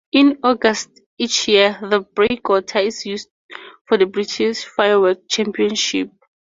In August each year, the breakwater is used for the British Firework Championships.